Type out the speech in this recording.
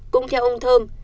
cũng theo ông thơm